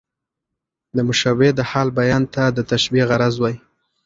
د مشبه د حال بیان ته د تشبېه غرض وايي.